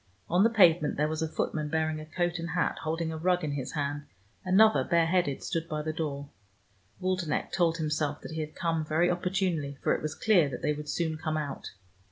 On the pavement there was a footman bearing a coat and hat, holding a rug in his hand: another, bareheaded, stood by the door. Waldenech told himself that he had come very opportunely, for it was clear that they would soon come out.